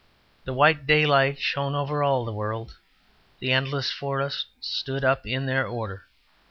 The white daylight shone over all the world, the endless forests stood up in their order.